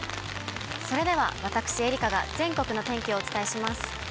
それでは私、愛花が全国の天気をお伝えします。